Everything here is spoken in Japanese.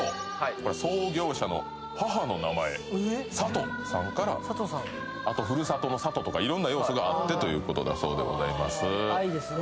これは創業者の母の名前「さと」さんからあとふるさとの「さと」とか色んな要素があってということだそうでございます愛ですね